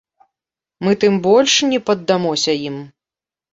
Мы тым больш не паддамося ім!